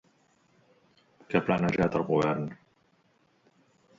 Què ha plantejat el Govern?